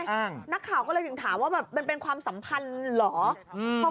แล้วนี่ไงนักข่าวก็เลยถึงถามว่ามันเป็นความสัมพันธ์เหรอ